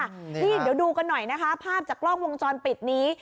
นี่เดี๋ยวดูกันหน่อยนะคะภาพจากกล้องวงจรปิดนี้